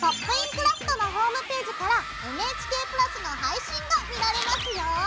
クラフト」のホームページからＮＨＫプラスの配信が見られますよ。